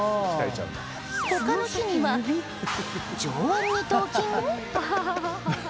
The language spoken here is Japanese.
他の日には上腕二頭筋？